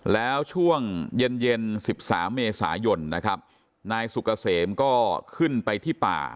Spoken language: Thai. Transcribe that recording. แล้วช่วงเย็นเย็น๑๓เมษายนนะครับนายสุกเกษมก็ขึ้นไปที่ป่า